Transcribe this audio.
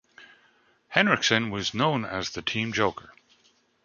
Henriksen was known as the team joker.